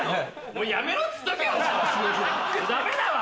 もうやめろっつっとけよダメだわ。